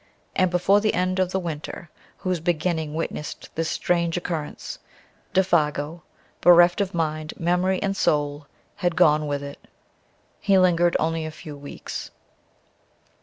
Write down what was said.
And before the end of the winter whose beginning witnessed this strange occurrence, Défago, bereft of mind, memory and soul, had gone with it. He lingered only a few weeks.